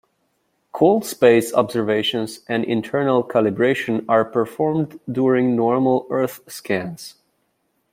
Cold space observations and internal calibration are performed during normal Earth scans.